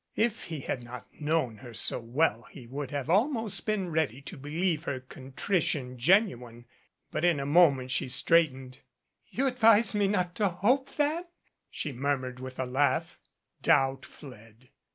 If he had not known her so well he would have almost been ready to believe her contrition genuine. But in a moment she straightened. "You advise me not to hope, then?" she murmured with a laugh. Doubt fled.